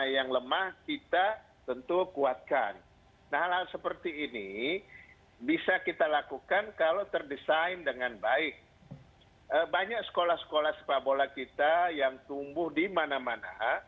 yang tumbuh di mana mana